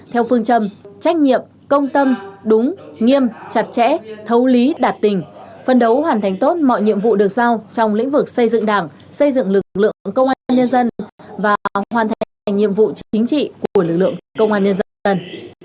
theo phương châm trách nhiệm công tâm đúng nghiêm chặt chẽ thấu lý đạt tình phân đấu hoàn thành tốt mọi nhiệm vụ được giao trong lĩnh vực xây dựng đảng xây dựng lực lượng công an nhân dân và hoàn thành nhiệm vụ chính trị của lực lượng công an nhân dân tan